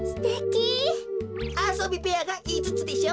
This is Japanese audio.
あそびべやがいつつでしょ。